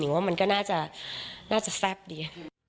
หนึ่งว่ามันก็น่าจะแซ่บดี